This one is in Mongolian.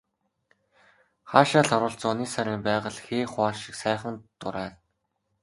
Хаашаа л харвал зуны сарын байгаль хээ хуар шиг сайхан дурайна.